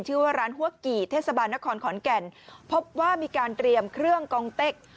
ชื่อว่าร้านหัวกี่เทศบาลนครขอนแก่นพบว่ามีการเตรียมเครื่องกองเต็ก